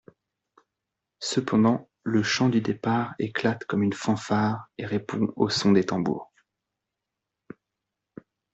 Cependant le Chant du Départ éclate comme une fanfare et répond au son des tambours.